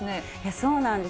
そうなんです。